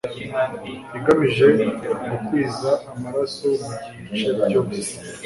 igamije gukwiza amaraso mu bice byose